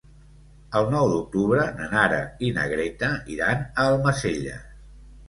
El nou d'octubre na Nara i na Greta iran a Almacelles.